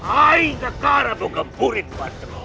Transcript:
aing kekara menggemburin padaku